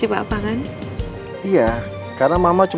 ini kalau gak tau